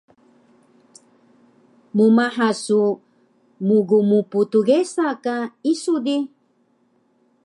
mmaha su mgmptgesa ka isu di